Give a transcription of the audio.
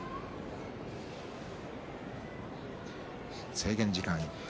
制限時間いっぱい。